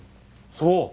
そう。